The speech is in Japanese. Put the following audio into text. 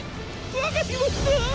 分かりました。